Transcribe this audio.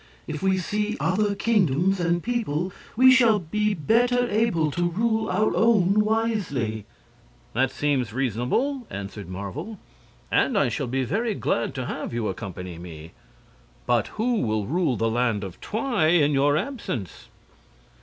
If we see other kingdoms and people we shall be better able to rule our own wisely." "That seems reasonable," answered Marvel, "and I shall be very glad to have you accompany me. But who will rule the Land of Twi in your absence?"